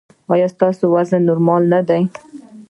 ایا ستاسو وزن نورمال نه دی؟